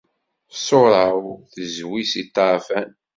Ṣṣura-w tezwi si ṭṭeɛfan.